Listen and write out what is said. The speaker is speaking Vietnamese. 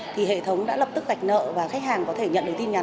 thì hệ thống đã lập tức gạch nợ và khách hàng có thể nhận được tin nhắn